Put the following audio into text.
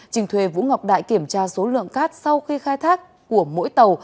trình thuê vũ ngọc đại kiểm tra số lượng cát sau khi khai thác của mỗi tàu